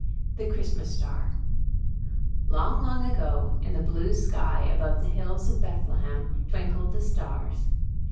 The Christmas Star Long, long ago, in the blue sky above the hills of Bethlehem, twinkled the stars.